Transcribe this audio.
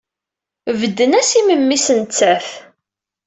Bedden-as i memmi-s nettat.